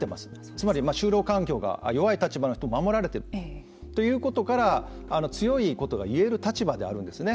つまり就労環境が弱い立場の人が守られているということから強いことが言える立場であるんですね。